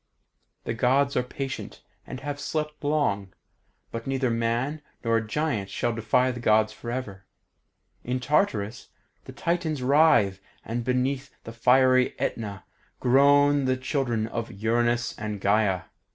The Gods are patient, and have slept long, but neither man nor giant shall defy the Gods forever. In Tartarus the Titans writhe, and beneath the fiery Aetna groan the children of Uranus and Gaea.